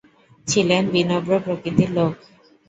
তিনি ছিলেন বিনম্র প্রকৃতির লোক।